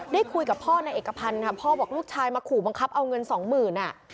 ได้คุยกับพ่อในเอกพันธุ์นะครับพ่อบอกลูกชายมาขู่บังคับเอาเงิน๒๐๐๐๐บาท